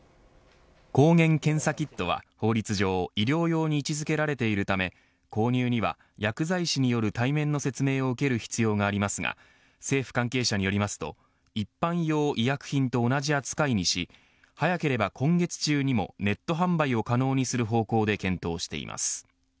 抗原検査キットは、法律上医療用に位置づけられているため購入には薬剤師による対面の説明を受ける必要がありますが政府関係者によりますと一般用医薬品と同じ扱いにし早ければ今月中にもネット販売を可能にする方向で検討しています。